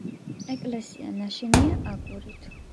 ეკლესია ნაშენია აგურით.